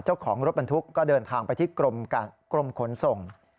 เจ้าของรถบรรทุกก็เดินทางไปที่กรมขนส่ง